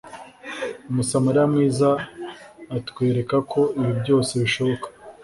Umusamariya mwiza atwerekako ibi byose bishoboka.